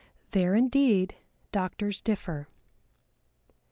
There indeed doctors differ.